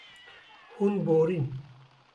Hûn borîn.